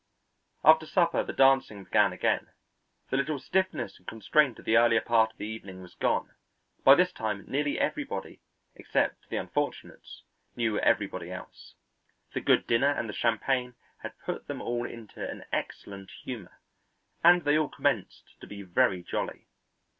After supper the dancing began again. The little stiffness and constraint of the earlier part of the evening was gone; by this time nearly everybody, except the unfortunates, knew everybody else. The good dinner and the champagne had put them all into an excellent humour, and they all commenced to be very jolly.